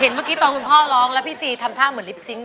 เมื่อกี้ตอนคุณพ่อร้องแล้วพี่ซีทำท่าเหมือนลิปซิงค